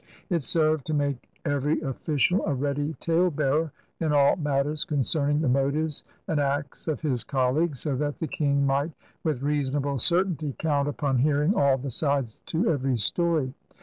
It served to make every official a ready tale bearer in all matters concerning the motives and acts of his colleagues, so that the King might with reasonable certainty count upon hearing all the sides to every story.